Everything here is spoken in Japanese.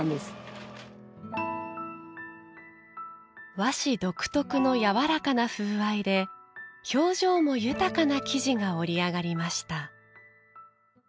和紙独特の柔らかな風合いで表情も豊かな生地が織り上がりました。